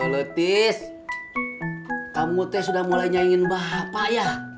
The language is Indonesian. hulu tis kamu teh sudah mulai nyaingin bapak ya